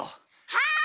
はい！